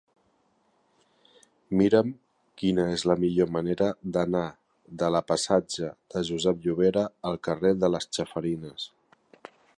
Mira'm quina és la millor manera d'anar de la passatge de Josep Llovera al carrer de les Chafarinas.